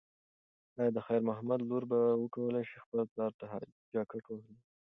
ایا د خیر محمد لور به وکولی شي خپل پلار ته جاکټ واخلي؟